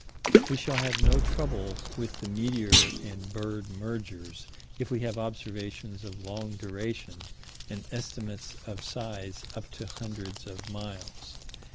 We shall have no trouble with the meteor and bird mergers, if we have observations of long duration and estimates of size up to hundreds of miles.